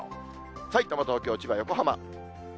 さいたま、東京、千葉、横浜。